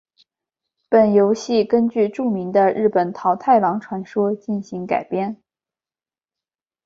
本游戏根据著名的日本桃太郎传说进行改编。